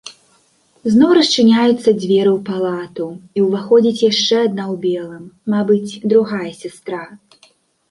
Зноў расчыняюцца дзверы ў палату, і ўваходзіць яшчэ адна ў белым, мабыць, другая сястра.